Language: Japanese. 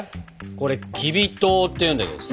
これきび糖っていうんだけどさ。